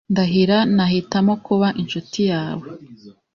Ndahira Nahitamo kuba inshuti yawe